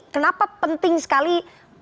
kenapa penting sekali